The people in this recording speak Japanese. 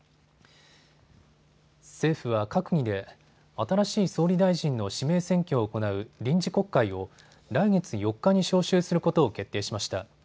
政府は閣議で新しい総理大臣の指名選挙を行う臨時国会を来月４日に召集することを決定しました。